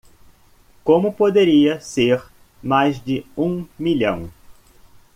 Como poderia ser mais de um milhão?